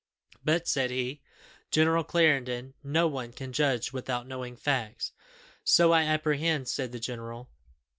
"But," said he, "General Clarendon, no one can judge without knowing facts." "So I apprehend," said the general.